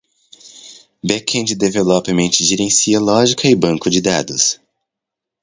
Back-end Development gerencia lógica e banco de dados.